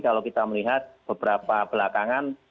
kalau kita melihat beberapa belakangan